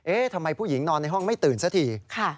ทำไมผู้หญิงนอนในห้องไม่ตื่นซะที